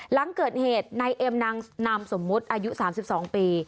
หลังเกิดเหตุนายเอ็มนางนามสมมุติอายุ๓๒ปี